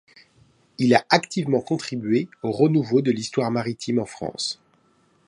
Il a activement contribué au renouveau de l’histoire maritime en France.